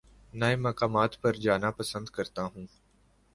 نئے مقامات پر جانا پسند کرتا ہوں